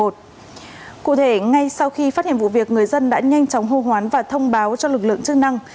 cụ thể ngay sau khi phát hiện vụ việc người dân đã nhanh chóng hô hoán và thông báo cho lực lượng chức năng